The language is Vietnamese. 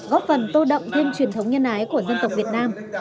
góp phần tô đậm thêm truyền thống nhân ái của dân tộc việt nam